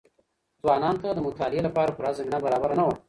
ځوانانو ته د مطالعې لپاره پوره زمينه برابره نه وه.